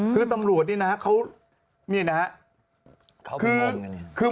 คือตำรวจนี่นะเขา